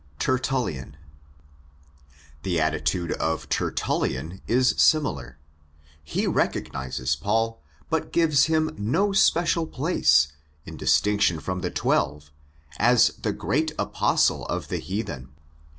Tertullian. The attitude of Tertullian is similar. He recognises Paul, but gives him no special place, in distinction from the Twelve, as '' the great Apostle of the heathen."